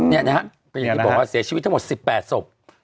นี่นะฮะก็อย่างที่บอกว่าเสียชีวิตทั้งหมด๑๘ศพ